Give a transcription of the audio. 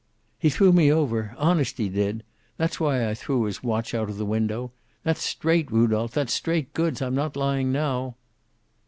"He threw me over! Honest he did. That's why I threw his watch out of the window. That's straight, Rudolph. That's straight goods. I'm not lying now."